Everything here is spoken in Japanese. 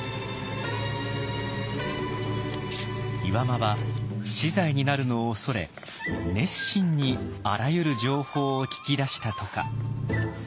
岩間は死罪になるのを恐れ熱心にあらゆる情報を聞き出したとか。